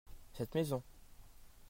Cette maison.